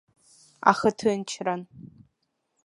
Аха ҭынчран.